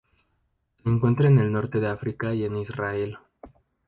Se encuentra en el norte de África y en Israel.